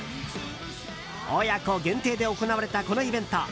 親子限定で行われたこのイベント。